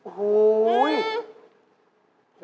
โอ้โฮนี่อืม